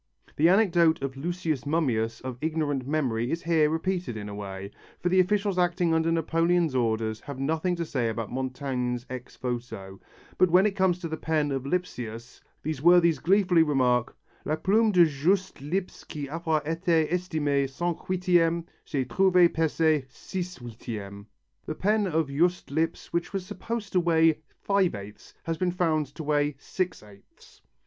The anecdote of Lucius Mummius of ignorant memory is here repeated in a way, for the officials acting under Napoleon's orders have nothing to say about Montaigne's ex voto, but when it comes to the pen of Lipsius these worthies gleefully remark: "La plume de Juste Lipse qui avoit été estimée cinq huitièmes, c'est trouvée peser six huitièmes" (the pen of Juste Lipse which was supposed to weigh five eighths, has been found to weigh six eighths).